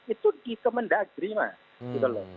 itu di kemendagri mas